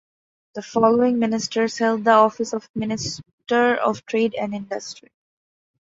The following ministers held the office of Minister of Trade and Industry.